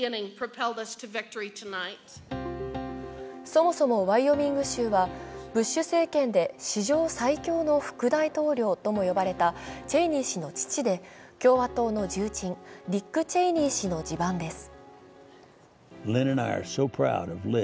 そもそもワイオミング州はブッシュ政権で史上最強の副大統領とも呼ばれたチェイニー氏の父で共和党の重鎮ディック・チェイニー氏の地盤です。